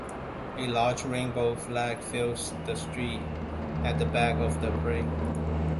A large rainbow flag fills the street at the back of the parade.